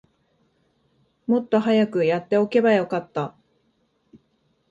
もっと早くやっておけばよかった